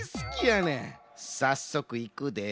さっそくいくで。